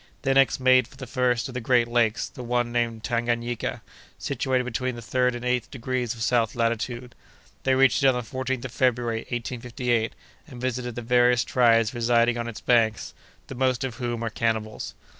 They next made for the first of the great lakes, the one named Tanganayika, situated between the third and eighth degrees of south latitude. They reached it on the 14th of February, 1858, and visited the various tribes residing on its banks, the most of whom are cannibals.